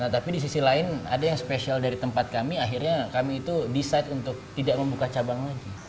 tapi di sisi lain ada yang spesial dari tempat kami akhirnya kami itu decide untuk tidak membuka cabang lagi